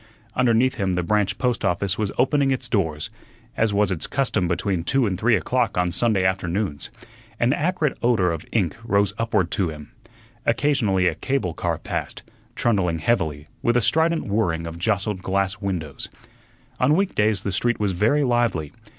Underneath him the branch post office was opening its doors, as was its custom between two and three o'clock on Sunday afternoons. An acrid odor of ink rose upward to him. Occasionally a cable car passed, trundling heavily, with a strident whirring of jostled glass windows. On week days the street was very lively.